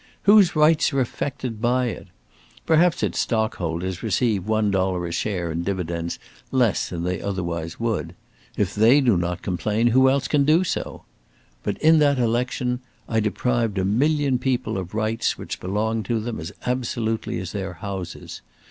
Whose rights are affected by it? Perhaps its stock holders receive one dollar a share in dividends less than they otherwise would. If they do not complain, who else can do so? But in that election I deprived a million people of rights which belonged to them as absolutely as their houses!